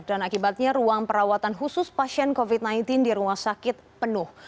dan akibatnya ruang perawatan khusus pasien covid sembilan belas di rumah sakit penuh